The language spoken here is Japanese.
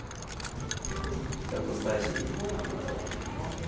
ちょっとスパイシーに。